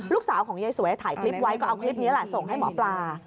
ยายของยายสวยถ่ายคลิปไว้ก็เอาคลิปนี้แหละส่งให้หมอปลา